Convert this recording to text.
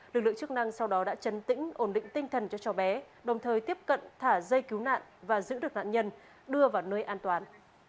lực lượng chức năng sau đó đã chấn tĩnh ổn định tinh thần cho cháu bé đồng thời tiếp cận thả dây cứu nạn và giữ được nạn nhân đưa vào nơi an toàn